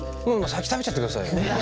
先食べちゃってくださいよ。